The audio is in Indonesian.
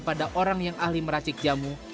pada orang yang ahli meracik jamu